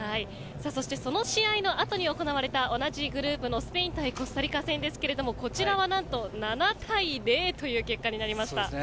そしてその試合の後に行われた同じグループのスペイン対コスタリカ戦ですがこちらは何と７対０という結果になりました。